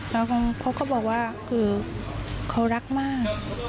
แล้วเขาก็บอกว่าคือเขารักมาก